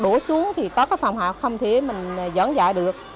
đổ xuống thì có các phòng học không thể mình giảng dạ được